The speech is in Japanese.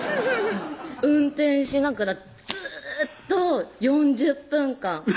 運転しながらずーっと４０分間